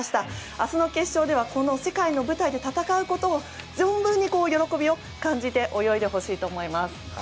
明日の決勝では世界の舞台で戦うことを存分に喜びを感じて泳いでほしいと思います。